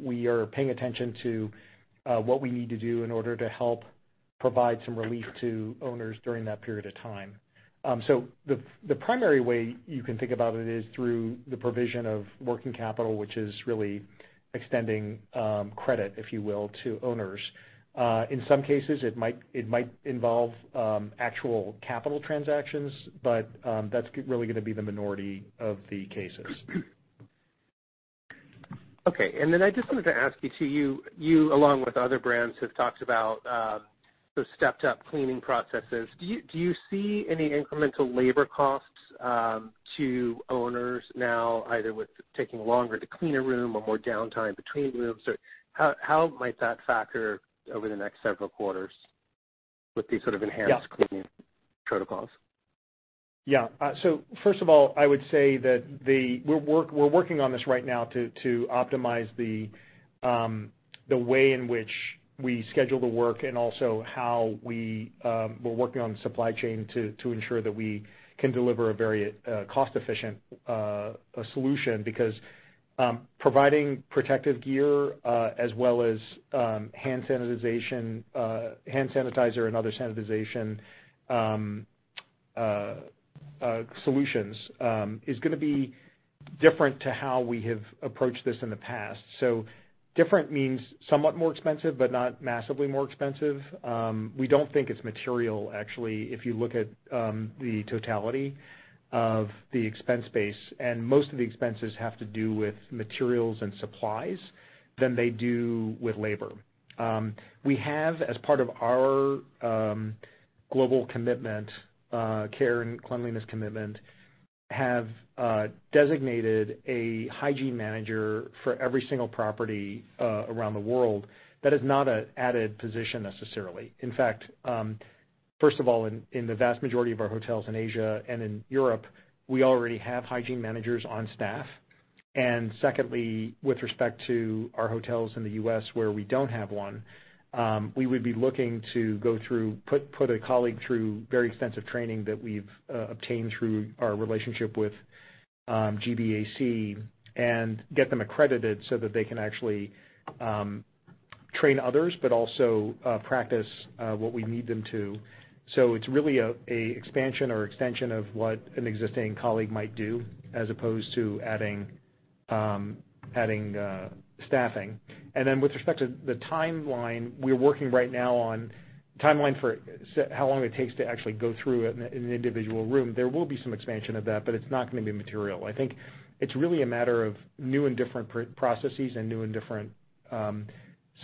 We are paying attention to what we need to do in order to help provide some relief to owners during that period of time. The primary way you can think about it is through the provision of working capital, which is really extending credit, if you will, to owners. In some cases, it might involve actual capital transactions, but that is really going to be the minority of the cases. Okay. I just wanted to ask you, too, you, along with other brands, have talked about the stepped-up cleaning processes. Do you see any incremental labor costs to owners now, either with taking longer to clean a room or more downtime between rooms? How might that factor over the next several quarters with these sort of enhanced cleaning protocols? Yeah. First of all, I would say that we're working on this right now to optimize the way in which we schedule the work and also how we're working on the supply chain to ensure that we can deliver a very cost-efficient solution because providing protective gear as well as hand sanitization and other sanitization solutions is going to be different to how we have approached this in the past. Different means somewhat more expensive, but not massively more expensive. We don't think it's material, actually, if you look at the totality of the expense base. Most of the expenses have to do with materials and supplies than they do with labor. We have, as part of our global commitment, care and cleanliness commitment, designated a hygiene manager for every single property around the world. That is not an added position necessarily. In fact, first of all, in the vast majority of our hotels in Asia and in Europe, we already have hygiene managers on staff. Secondly, with respect to our hotels in the U.S., where we do not have one, we would be looking to put a colleague through very extensive training that we have obtained through our relationship with GBAC and get them accredited so that they can actually train others, but also practice what we need them to. It is really an expansion or extension of what an existing colleague might do as opposed to adding staffing. With respect to the timeline, we are working right now on the timeline for how long it takes to actually go through an individual room. There will be some expansion of that, but it is not going to be material. I think it's really a matter of new and different processes and new and different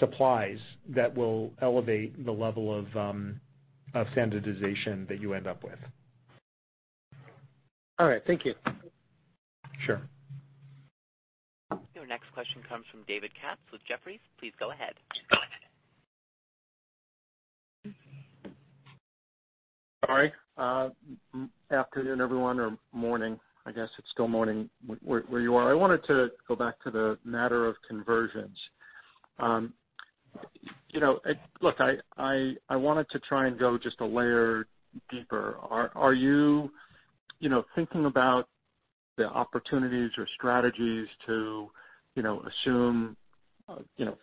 supplies that will elevate the level of sanitization that you end up with. All right. Thank you. Sure. Your next question comes from David Katz with Jefferies. Please go ahead. Sorry. Afternoon, everyone, or morning. I guess it's still morning where you are. I wanted to go back to the matter of conversions. Look, I wanted to try and go just a layer deeper. Are you thinking about the opportunities or strategies to assume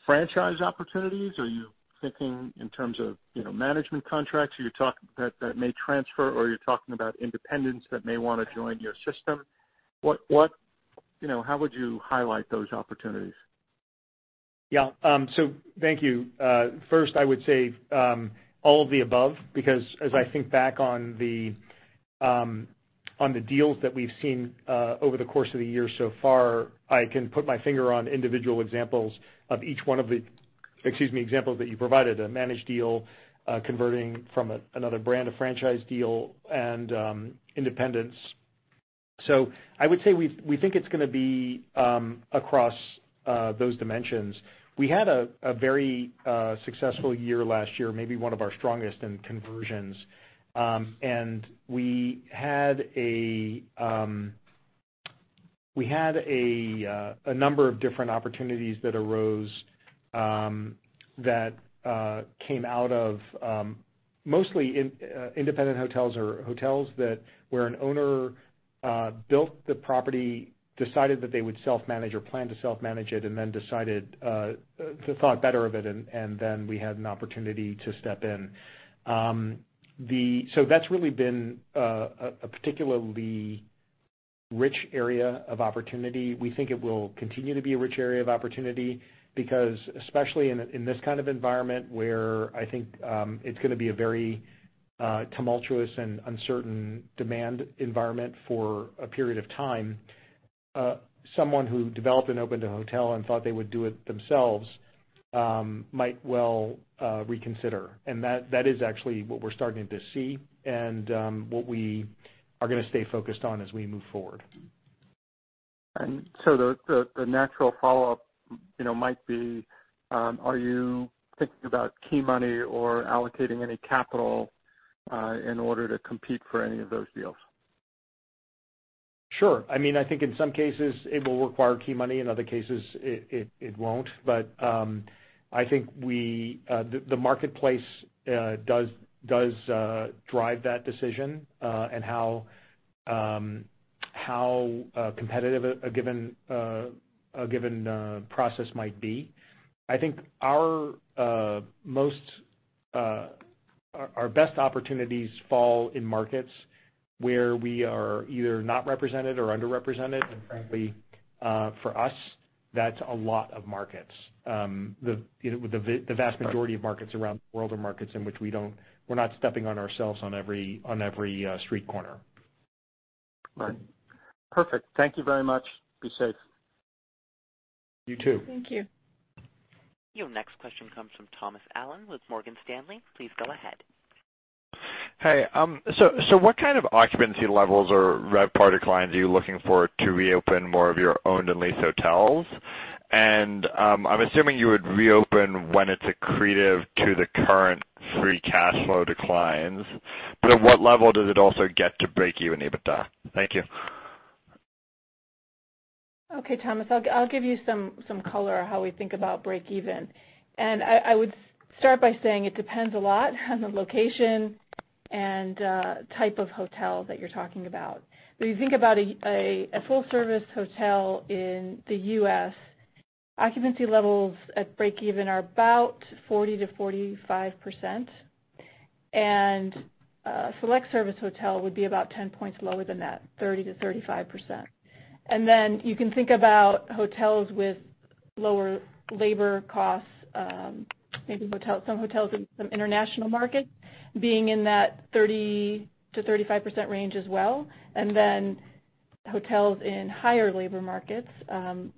franchise opportunities? Are you thinking in terms of management contracts that may transfer, or are you talking about independents that may want to join your system? How would you highlight those opportunities? Yeah. Thank you. First, I would say all of the above because as I think back on the deals that we've seen over the course of the year so far, I can put my finger on individual examples of each one of the, excuse me, examples that you provided: a managed deal converting from another brand, a franchise deal, and independents. I would say we think it's going to be across those dimensions. We had a very successful year last year, maybe one of our strongest in conversions. We had a number of different opportunities that arose that came out of mostly independent hotels or hotels where an owner built the property, decided that they would self-manage or planned to self-manage it, and then decided to thought better of it. Then we had an opportunity to step in. That's really been a particularly rich area of opportunity. We think it will continue to be a rich area of opportunity because especially in this kind of environment where I think it's going to be a very tumultuous and uncertain demand environment for a period of time, someone who developed and opened a hotel and thought they would do it themselves might well reconsider. That is actually what we're starting to see and what we are going to stay focused on as we move forward. The natural follow-up might be, are you thinking about key money or allocating any capital in order to compete for any of those deals? Sure. I mean, I think in some cases, it will require key money. In other cases, it will not. I think the marketplace does drive that decision and how competitive a given process might be. I think our best opportunities fall in markets where we are either not represented or underrepresented. Frankly, for us, that is a lot of markets. The vast majority of markets around the world are markets in which we are not stepping on ourselves on every street corner. Right. Perfect. Thank you very much. Be safe. You too. Thank you. Your next question comes from Thomas Allen with Morgan Stanley. Please go ahead. Hey. What kind of occupancy levels or RevPAR are you looking for to reopen more of your owned and leased hotels? I'm assuming you would reopen when it's accretive to the current free cash flow declines. At what level does it also get to break-even, EBITDA? Thank you. Okay, Thomas. I'll give you some color on how we think about break-even. I would start by saying it depends a lot on the location and type of hotel that you're talking about. If you think about a full-service hotel in the U.S., occupancy levels at break-even are about 40-45%. A select-service hotel would be about 10 percentage points lower than that, 30-35%. You can think about hotels with lower labor costs, maybe some hotels in some international markets being in that 30-35% range as well. Hotels in higher labor markets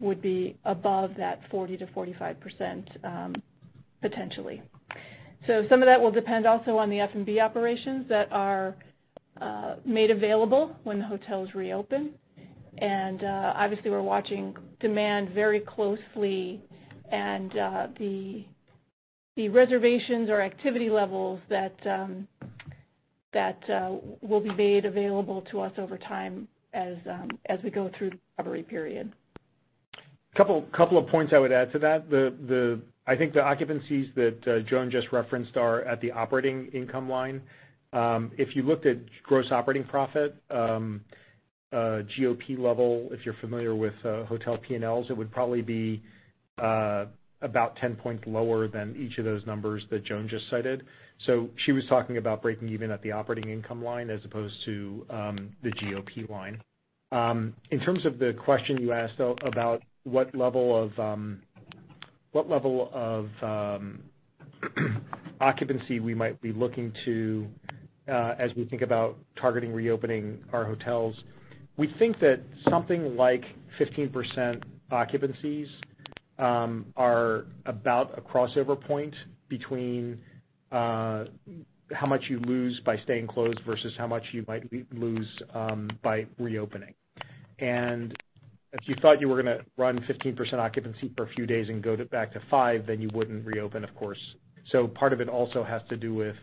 would be above that 40-45% potentially. Some of that will depend also on the F&B operations that are made available when the hotels reopen. Obviously, we're watching demand very closely and the reservations or activity levels that will be made available to us over time as we go through the recovery period. A couple of points I would add to that. I think the occupancies that Joan just referenced are at the operating income line. If you looked at gross operating profit, GOP level, if you're familiar with hotel P&Ls, it would probably be about 10 percentage points lower than each of those numbers that Joan just cited. She was talking about breaking even at the operating income line as opposed to the GOP line. In terms of the question you asked about what level of occupancy we might be looking to as we think about targeting reopening our hotels, we think that something like 15% occupancies are about a crossover point between how much you lose by staying closed versus how much you might lose by reopening. If you thought you were going to run 15% occupancy for a few days and go back to 5%, you would not reopen, of course. Part of it also has to do with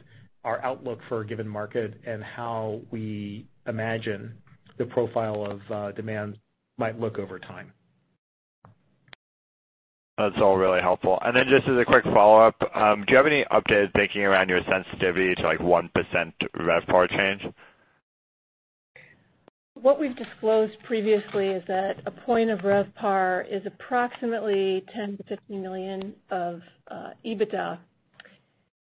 our outlook for a given market and how we imagine the profile of demand might look over time. That's all really helpful. Just as a quick follow-up, do you have any updated thinking around your sensitivity to 1% RevPAR change? What we've disclosed previously is that a point of RevPAR is approximately $10 million-$15 million of EBITDA,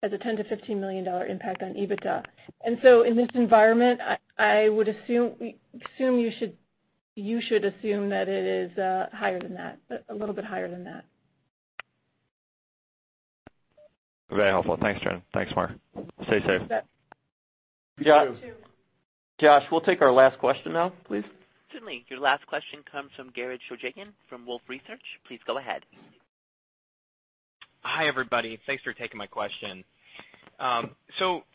has a $10 million-$15 million impact on EBITDA. In this environment, I would assume you should assume that it is higher than that, a little bit higher than that. Very helpful. Thanks, Joan. Thanks, Mark. Stay safe. Josh, we'll take our last question now, please. Certainly. Your last question comes from Jared Shojaian from Wolfe Research. Please go ahead. Hi, everybody. Thanks for taking my question.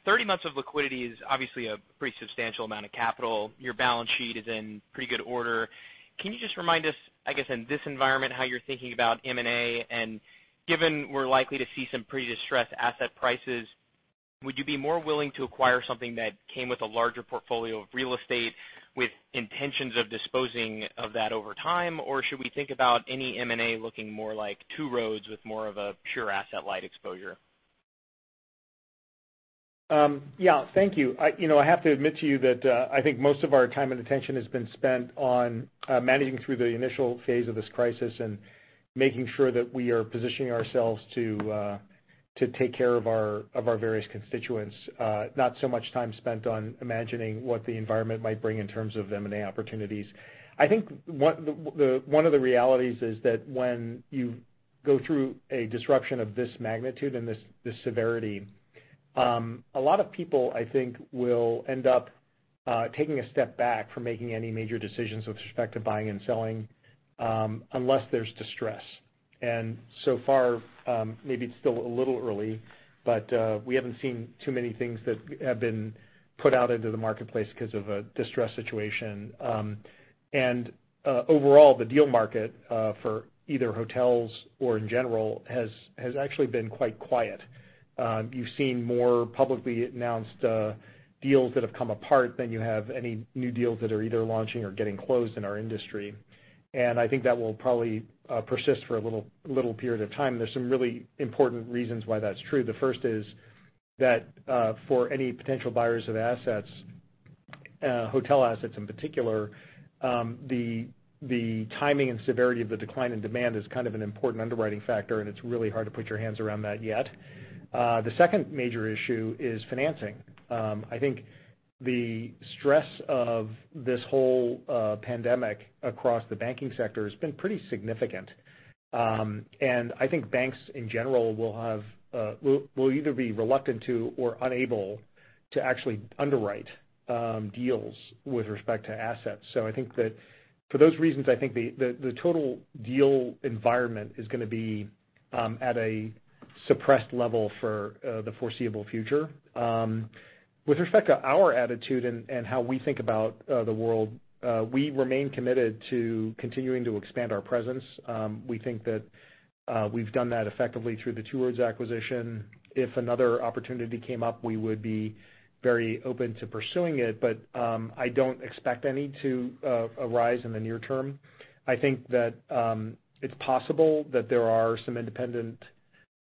Thirty months of liquidity is obviously a pretty substantial amount of capital. Your balance sheet is in pretty good order. Can you just remind us, I guess, in this environment, how you're thinking about M&A? Given we're likely to see some pretty distressed asset prices, would you be more willing to acquire something that came with a larger portfolio of real estate with intentions of disposing of that over time, or should we think about any M&A looking more like Two Roads with more of a pure asset-light exposure? Yeah. Thank you. I have to admit to you that I think most of our time and attention has been spent on managing through the initial phase of this crisis and making sure that we are positioning ourselves to take care of our various constituents, not so much time spent on imagining what the environment might bring in terms of M&A opportunities. I think one of the realities is that when you go through a disruption of this magnitude and this severity, a lot of people, I think, will end up taking a step back from making any major decisions with respect to buying and selling unless there is distress. So far, maybe it is still a little early, but we have not seen too many things that have been put out into the marketplace because of a distressed situation. Overall, the deal market for either hotels or in general has actually been quite quiet. You have seen more publicly announced deals that have come apart than you have any new deals that are either launching or getting closed in our industry. I think that will probably persist for a little period of time. There are some really important reasons why that is true. The first is that for any potential buyers of assets, hotel assets in particular, the timing and severity of the decline in demand is kind of an important underwriting factor, and it is really hard to put your hands around that yet. The second major issue is financing. I think the stress of this whole pandemic across the banking sector has been pretty significant. I think banks in general will either be reluctant to or unable to actually underwrite deals with respect to assets. I think that for those reasons, I think the total deal environment is going to be at a suppressed level for the foreseeable future. With respect to our attitude and how we think about the world, we remain committed to continuing to expand our presence. We think that we've done that effectively through the Two Roads acquisition. If another opportunity came up, we would be very open to pursuing it, but I don't expect any to arise in the near term. I think that it's possible that there are some independent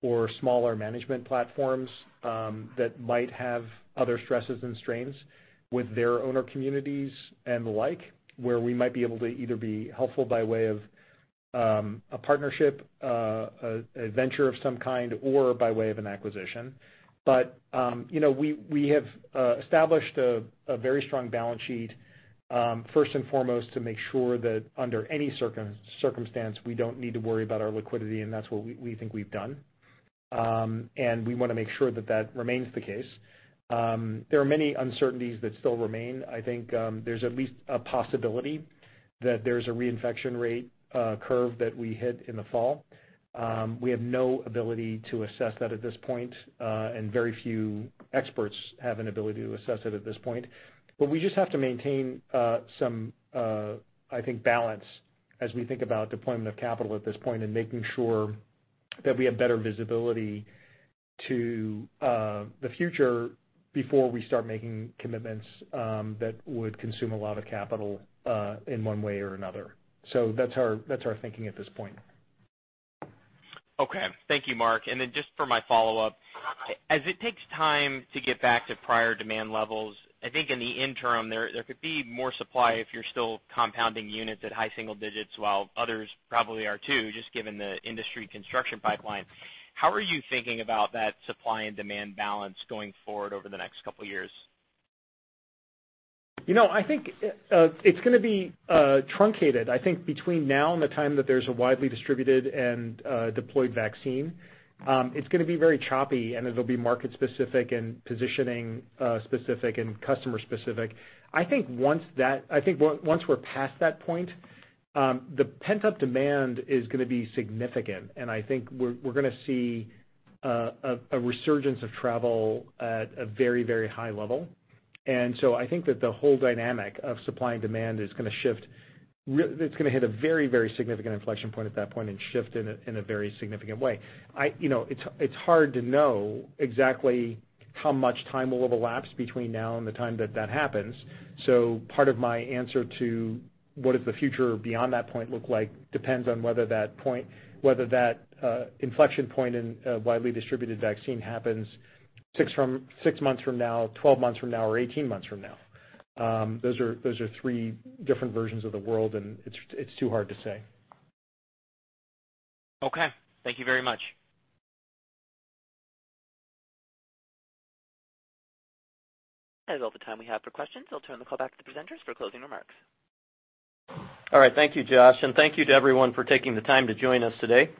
or smaller management platforms that might have other stresses and strains with their owner communities and the like, where we might be able to either be helpful by way of a partnership, a venture of some kind, or by way of an acquisition. We have established a very strong balance sheet first and foremost to make sure that under any circumstance, we do not need to worry about our liquidity, and that is what we think we have done. We want to make sure that that remains the case. There are many uncertainties that still remain. I think there is at least a possibility that there is a reinfection rate curve that we hit in the fall. We have no ability to assess that at this point, and very few experts have an ability to assess it at this point. We just have to maintain some, I think, balance as we think about deployment of capital at this point and making sure that we have better visibility to the future before we start making commitments that would consume a lot of capital in one way or another. That is our thinking at this point. Okay. Thank you, Mark. For my follow-up, as it takes time to get back to prior demand levels, I think in the interim, there could be more supply if you're still compounding units at high single digits while others probably are too, just given the industry construction pipeline. How are you thinking about that supply and demand balance going forward over the next couple of years? I think it's going to be truncated. I think between now and the time that there's a widely distributed and deployed vaccine, it's going to be very choppy, and it'll be market-specific and positioning-specific and customer-specific. I think once we're past that point, the pent-up demand is going to be significant. I think we're going to see a resurgence of travel at a very, very high level. I think that the whole dynamic of supply and demand is going to shift. It's going to hit a very, very significant inflection point at that point and shift in a very significant way. It's hard to know exactly how much time will overlap between now and the time that that happens. Part of my answer to what does the future beyond that point look like depends on whether that inflection point in a widely distributed vaccine happens six months from now, 12 months from now, or 18 months from now. Those are three different versions of the world, and it's too hard to say. Okay. Thank you very much. That is all the time we have for questions. I'll turn the call back to the presenters for closing remarks. All right. Thank you, Josh. Thank you to everyone for taking the time to join us today.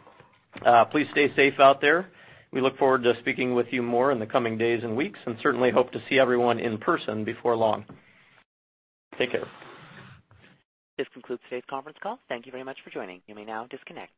Please stay safe out there. We look forward to speaking with you more in the coming days and weeks and certainly hope to see everyone in person before long. Take care. This concludes today's conference call. Thank you very much for joining. You may now disconnect.